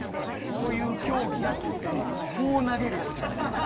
こういう競技やって言ってるのにこう投げるヤツ。